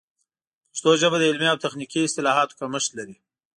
پښتو ژبه د علمي او تخنیکي اصطلاحاتو کمښت لري.